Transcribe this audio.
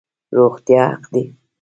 روغتیا حق دی